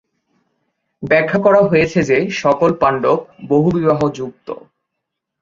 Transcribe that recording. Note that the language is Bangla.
ব্যাখ্যা করা হয়েছে যে সকল পাণ্ডব বহুবিবাহ যুক্ত।